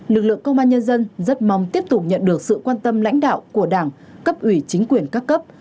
lực lượng công an nhân dân rất mong tiếp tục nhận được sự quan tâm lãnh đạo của đảng cấp ủy chính quyền các cấp